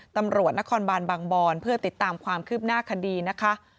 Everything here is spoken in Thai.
ตำรวจนครบานบางบอนเพื่อติดตามความคืบหน้าคดีนะคะ